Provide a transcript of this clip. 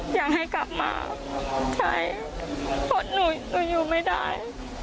อยากให้กลับมาใช้เพราะหนูอยู่ไม่ได้